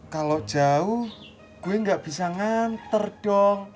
kalau jauh gue gak bisa nganter dong